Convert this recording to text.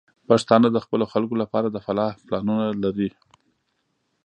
پښتانه د خپلو خلکو لپاره د فلاح پلانونه لري.